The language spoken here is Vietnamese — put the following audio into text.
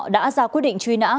đã ra quyết định truy nã